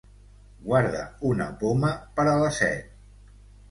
Guardar una poma per a la set.